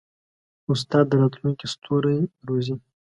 استاد د راتلونکي ستوري روزي.